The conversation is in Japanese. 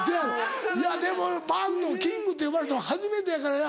いやでもぱっと「キング」って呼ばれたの初めてやからな。